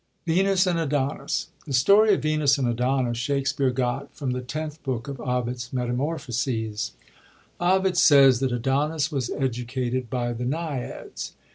Vbnub and Adonib.— The story of Venus and Adonis Shakspere got from the Tenth Book of Ovid's Meta morphoaea, Ovid says that Adonis was educated by the Naiads.